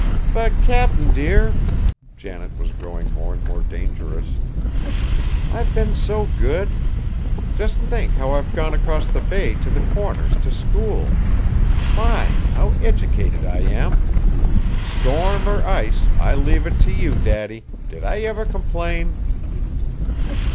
"But, Cap'n, dear!" Janet was growing more and more dangerous; "I've been so good. Just think how I've gone across the bay, to the Corners, to school. My! how educated I am! Storm or ice, I leave it to you, Daddy, did I ever complain?"